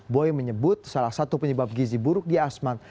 boy menyebut salah satu penyebab gizi buruk di asmat